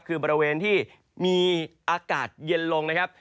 คือบริเวณที่มีอากาศเย็นลงนะครับ